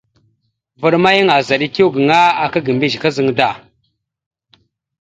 Vvaɗ ma yan azaɗ etew gaŋa aka ga mbiyez kazaŋ da.